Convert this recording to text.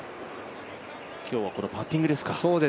今日はこのパッティングですか？